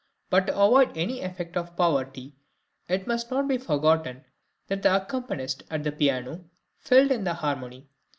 But to avoid any effect of poverty, it must not be forgotten that the accompanist at the piano filled in the harmony.